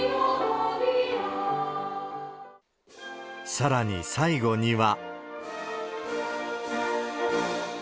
さらに、最後には。